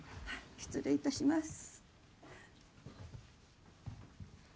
失礼いたします。